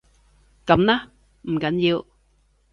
噉啦，唔緊要